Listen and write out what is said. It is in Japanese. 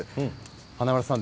華丸さん